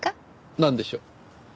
なんでしょう？